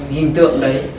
hình tượng đấy